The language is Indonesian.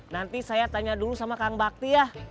nanti saya tanya dulu sama kang bakti ya